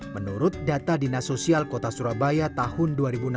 menurut data dinas sosial kota surabaya tahun dua ribu enam belas